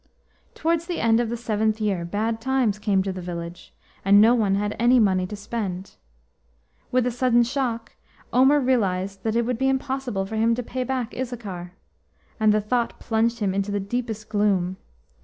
Towards the end of the seventh year bad times came to the village, and no one had any money to spend. With a sudden shock Omer realised that it would be impossible for him to pay back Issachar, and the thought plunged him into the deepest gloom.